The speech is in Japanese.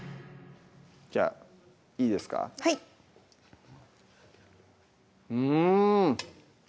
じゃあいいですかはいうん！